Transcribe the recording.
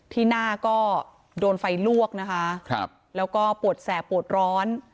ที่หน้าก็โดนไฟลวกนะคะครับแล้วก็ปวดแสบปวดร้อน